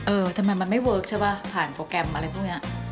เออทำไมมันไม่เวิร์คใช่ป่ะผ่านโปรแกรมอะไรพวกนี้